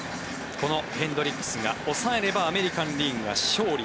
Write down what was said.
このヘンドリックスが抑えればアメリカン・リーグの勝利。